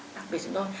đặc biệt chúng tôi